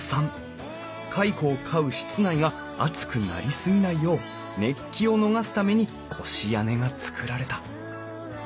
蚕を飼う室内が暑くなり過ぎないよう熱気を逃がすために越屋根が造られた。